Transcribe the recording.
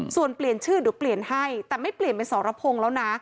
ส่วนเปลี่ยนชื่อเดี๋ยวเปลี่ยนให้แต่ไม่เปลี่ยนเป็นสรพงศ์แล้วนะ